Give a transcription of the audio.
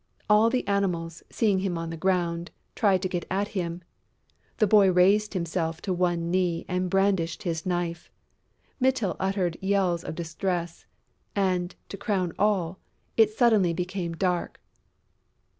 All the Animals, seeing him on the ground, tried to get at him. The boy raised himself to one knee and brandished his knife. Mytyl uttered yells of distress; and, to crown all, it suddenly became dark.